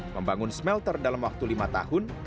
membangun smelter dalam waktu lima tahun